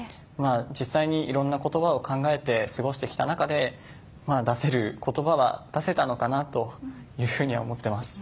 実際に、いろんな言葉を考えて過ごしてきた中で出せる言葉は出せたのかなというふうに思ってます。